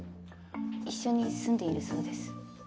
一緒に住んでいるそうです。